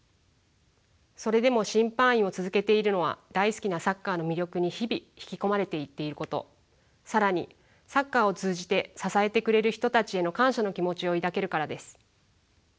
それでも審判員を続けているのは大好きなサッカーの魅力に日々引き込まれていっていること更にサッカーを通じて支えてくれる人たちへの感謝の気持ちを抱けるからです。